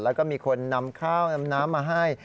แล้วก็มีคนนำข้าวนำน้ำมาให้